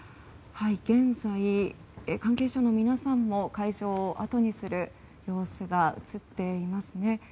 現在、関係者の皆さんの会場を後にする様子が映っていますね。